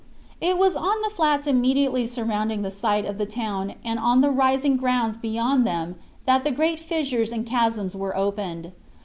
It was on the flats immediately surrounding the site of the town and on the rising grounds beyond them that the great fissures and chasms were opened.